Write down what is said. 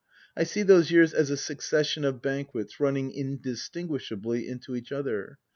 I see those years as a succession of banquets running indistinguishably into each other.